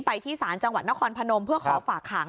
ที่ศาลจังหวัดนครพนมเพื่อขอฝากขัง